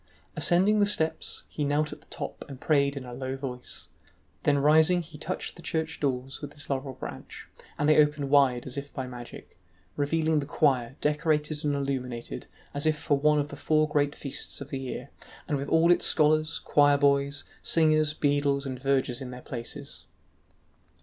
Ascending the steps, he knelt at the top and prayed in a low voice, then rising he touched the church doors with his laurel branch, and they opened wide as if by magic, revealing the choir decorated and illuminated as if for one of the four great feasts of the year, and with all its scholars, choir boys, singers, beadles, and vergers in their places.